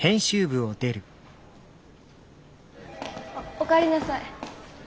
おかえりなさい。